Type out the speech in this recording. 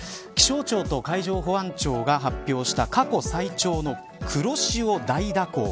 気象庁と海上保安庁が発表した過去最長の黒潮大蛇行。